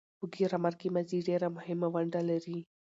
په ګرامر کښي ماضي ډېره مهمه ونډه لري.